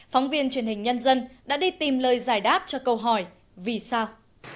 phóng viên truyền hình nhân dân đã đi tìm lời giải đáp cho câu hỏi vì sao